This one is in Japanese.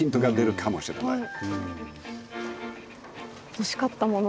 欲しかったもの。